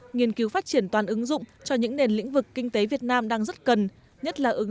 nghiên cứu phát triển toàn ứng dụng cho những nền lĩnh vực kinh tế việt nam đang rất cần nhất là ứng